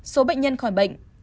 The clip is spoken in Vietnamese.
một số bệnh nhân khỏi bệnh